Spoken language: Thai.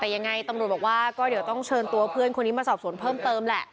แต่ยังไงตำรวจบอกว่าก็เดี๋ยวต้องเชิญตัวเพื่อนคนนี้มาสอบสวนเพิ่มเติมแหละ